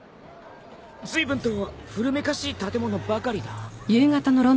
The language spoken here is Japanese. ずいぶんと古めかしい建物ばかりだ。